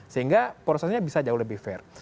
sehingga prosesnya bisa jauh lebih fair